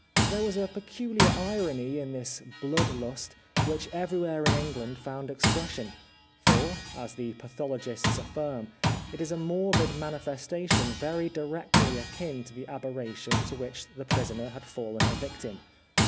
There was a peculiar irony in this blood lust which every where in England found expression, for, as the pathologists afhrm, it is a morbid manifestation very directly akin to the aberration to which the prisoner had fallen a victim.